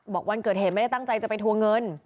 วันเกิดเหตุไม่ได้ตั้งใจจะไปทวงเงิน